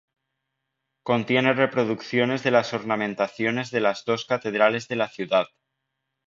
Contiene reproducciones de las ornamentaciones de las dos catedrales de la ciudad.